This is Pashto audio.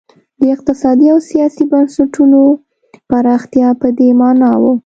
د اقتصادي او سیاسي بنسټونو پراختیا په دې معنا وه.